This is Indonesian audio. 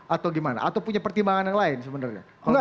atau gimana atau punya pertimbangan yang lain sebenarnya